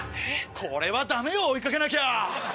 これはダメよ追い掛けなきゃ！